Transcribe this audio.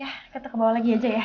ya kita ke bawah lagi aja ya